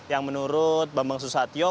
yang menurut bambang susatyo